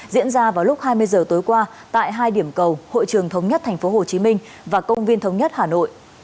diễn ra vào lúc hai mươi giờ tối qua tại hai điểm cầu hội trường thống nhất tp hcm và công viên thống nhất hà nội